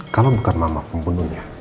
kalau bukan mama pembunuhnya